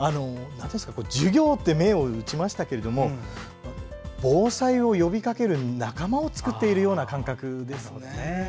授業と銘打ちましたが防災呼びかける仲間を作っているような感覚ですね。